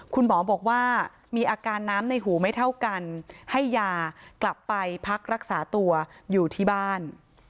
คุณหมอบอกว่ามีอาการน้ำในหูไม่เท่ากันให้ยากลับไปพักรักษาตัวอยู่ที่บ้าน